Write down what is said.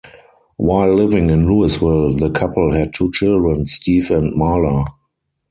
While living in Louisville, the couple had two children, Steve and Marla.